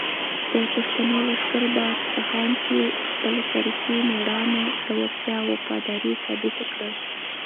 د پښتنو لښکر په اصفهان کې خپله تاریخي مېړانه، زړورتیا او وفاداري ثابته کړه.